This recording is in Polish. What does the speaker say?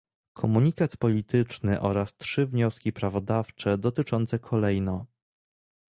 komunikat polityczny oraz trzy wnioski prawodawcze dotyczące kolejno